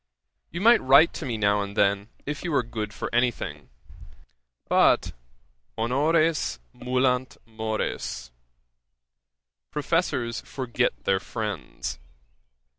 You might write to me now and then, if you were good for any thing. But honores mulant mores. Professors forget their friends.